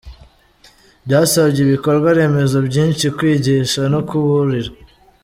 Byasabye ibikorwa remezo byinshi, kwigisha, no kuburira.